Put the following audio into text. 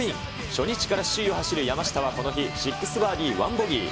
初日から首位を走る山下はこの日、６バーディー１ボギー。